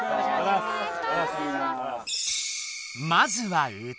まずは歌。